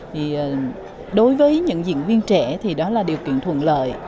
thì đối với những diễn viên trẻ thì đó là điều kiện thuận lợi